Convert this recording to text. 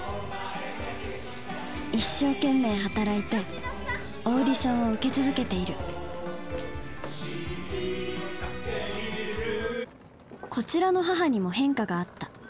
一生懸命働いてオーディションを受け続けているこちらの母にも変化があった。